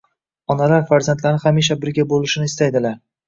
Onalar farzandlari hamisha birga bo‘lishini istaydilar.